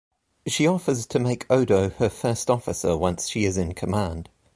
She offers to make Odo her first officer once she is in command.